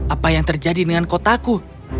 apa yang terjadi dengan kotaku